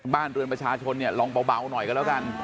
บ้านเรือนประชาชนเนี่ยลองเบาหน่อยกันแล้วกัน